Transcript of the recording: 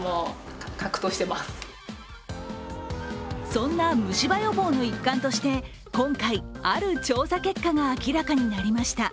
そんな虫歯予防の一環として今回、ある調査結果が明らかになりました。